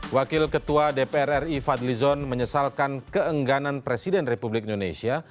wakil ketua dpr ri fadlizon menyesalkan keengganan presiden republik indonesia